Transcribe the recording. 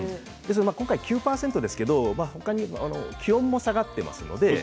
今回９％ですけど気温も下がっていますので。